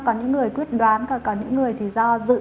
có những người quyết đoán có những người thì do dự